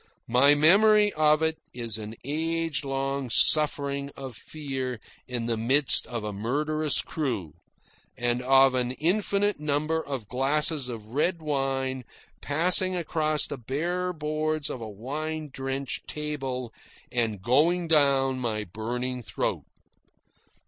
My memory of it is of an age long suffering of fear in the midst of a murderous crew, and of an infinite number of glasses of red wine passing across the bare boards of a wine drenched table and going down my burning throat.